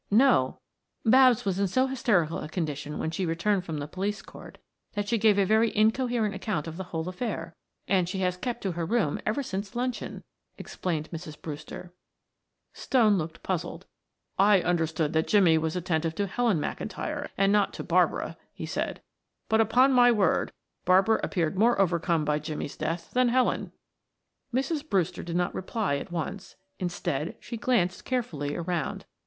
"No. Babs was in so hysterical a condition when she returned from the police court that she gave a very incoherent account of the whole affair, and she has kept her room ever since luncheon," explained Mrs. Brewster. Stone looked puzzled. "I understood that Jimmie was attentive to Helen McIntyre and not to Barbara," he said. "But upon my word, Barbara appeared more overcome by Jimmie's death than Helen." Mrs. Brewster did not reply at once; instead, she glanced carefully around.